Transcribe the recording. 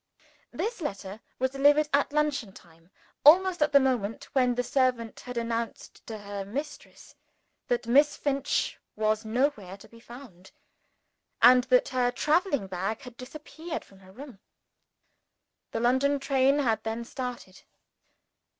This letter was delivered at luncheon time almost at the moment when the servant had announced to her mistress that Miss Finch was nowhere to be found, and that her traveling bag had disappeared from her room. The London train had then started.